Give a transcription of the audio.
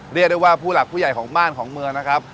เรียกได้ว่าผู้หลักผู้ใหญ่ของบ้านของเมืองนะครับ